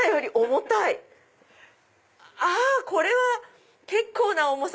これは結構な重さ！